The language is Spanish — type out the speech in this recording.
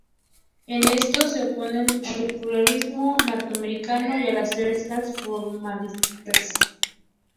En esto, se oponen al "estructuralismo norteamericano" y a las teorías formalistas.